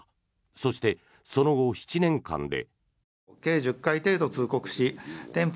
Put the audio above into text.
そして、その後７年間で。